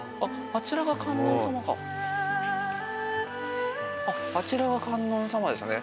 あちらが観音様でしたね。